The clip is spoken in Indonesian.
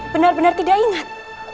benar benar tidak ingat